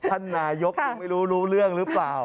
อันนายกไม่รู้เรื่องหรือเปล่า